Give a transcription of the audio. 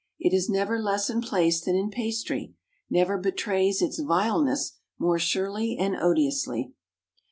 It is never less in place than in pastry; never betrays its vileness more surely and odiously.